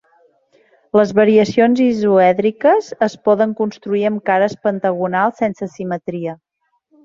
Les variacions isoèdriques es poden construir amb cares pentagonals sense simetria.